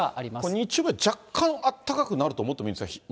日曜日は若干あったかくなると思ってもいいんですか？